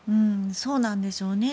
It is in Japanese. そうなんでしょうね。